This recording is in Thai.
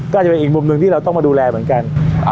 ก็จะเป็นอีกมุมหนึ่งที่เราต้องมาดูแลเหมือนกัน